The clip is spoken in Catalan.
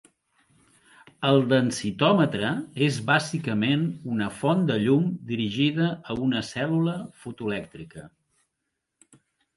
El densitòmetre és bàsicament una font de llum dirigida a una cèl·lula fotoelèctrica.